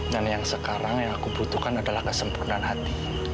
dan yang sekarang yang aku butuhkan adalah kesempurnaan hati